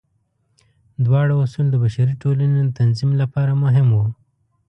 دواړه اصول د بشري ټولنې د تنظیم لپاره مهم وو.